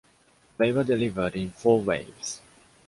They were delivered in four waves.